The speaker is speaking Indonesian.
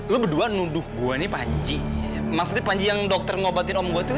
lo berdua nuduh gua ini panji maksudnya panji yang dokter ngobatin om gua itu